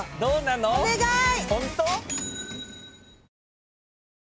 お願い！